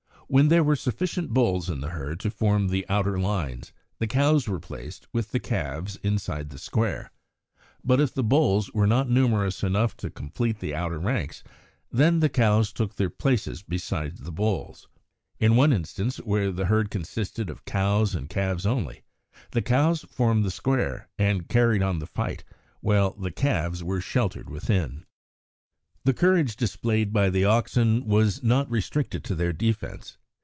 When there were sufficient bulls in the herd to form the outer lines, the cows were placed, with the calves, inside the square; but if the bulls were not numerous enough to complete the outer ranks, then the cows took their places beside the bulls. In one instance, where the herd consisted of cows and calves only, the cows formed the square and carried on the fight while the calves were sheltered within. The courage displayed by the oxen was not restricted to their defence.